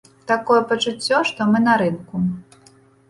Такое пачуццё, што мы на рынку.